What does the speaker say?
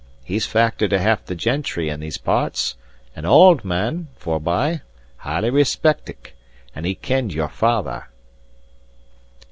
He's factor to half the gentry in these parts; an auld man, forby: highly respeckit, and he kenned your father."